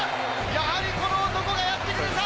やはりこの男がやってくれた！